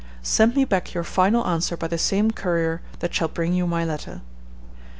Send me back your final answer by the same courier that shall bring you my letter.